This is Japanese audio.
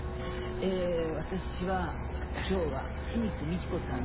え私は今日は清水ミチコさん